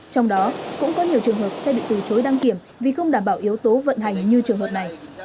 trong đó cũng có nhiều trường hợp xe bị từ chối đăng kiểm vì không đảm bảo yếu tố vận hành như trường hợp này